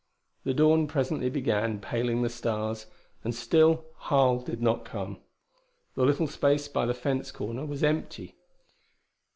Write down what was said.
The dawn presently began paling the stars; and still Harl did not come. The little space by the fence corner was empty.